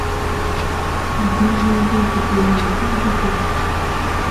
Ndi ɓin diŋ je tpur ma Gidgisi.